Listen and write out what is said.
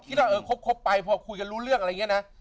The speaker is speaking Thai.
คิดว่าเออคบไปพอคุยกันรู้เรื่องอะไรอย่างนี้นะ